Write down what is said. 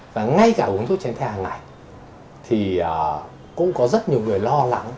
và ngay cả uống thuốc tránh thai hàng ngày thì cũng có rất nhiều người lo lắng